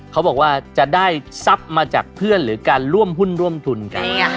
เขาบอกว่าจะได้ทรัพย์มาจากเพื่อนหรือการร่วมหุ้นร่วมทุนกัน